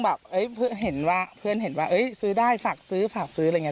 ซึ่งเพื่อนเห็นว่าซื้อได้ฝากซื้ออะไรอย่างนี้